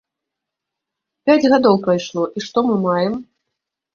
Пяць гадоў прайшло, і што мы маем?